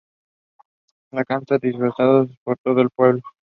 Las cantan disfrazados por todo el pueblo.